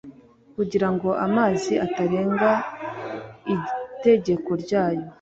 Kugira ngo amazi atarenga itegeko ryayo